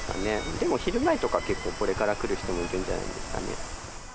でも、昼前とか、結構これから来る人もいるんじゃないですかね。